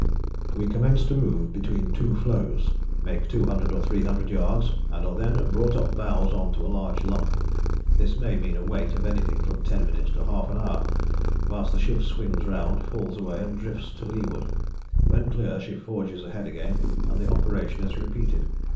"We commence to move between two floes, make 200 or 300 yards, and are then brought up bows on to a large lump. This may mean a wait of anything from ten minutes to half an hour, whilst the ship swings round, falls away, and drifts to leeward. When clear she forges ahead again and the operation is repeated.